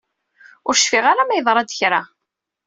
Ur cfiɣ ara ma yeḍra-d kra